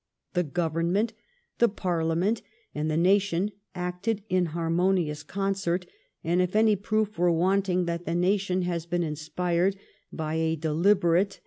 The Government, the Parlia ment, and the nation acted in harmonious concert ; and if any proof were wanting that the nation has been inspired by a deliberate 208 LIFE OF VISCOUNT PALMEB8T0N.